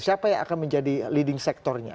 siapa yang akan menjadi leading sectornya